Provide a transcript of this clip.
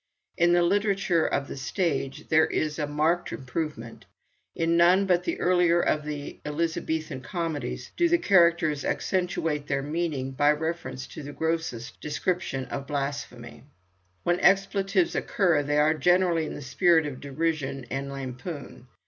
In the literature of the stage there is a marked improvement: in none but the earlier of the Elizabethan comedies do the characters accentuate their meaning by reference to the grossest description of blasphemy. When expletives occur they are generally in the spirit of derision and lampoon.